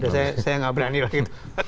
saya nggak berani lagi